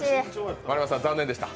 丸山さん、残念でした。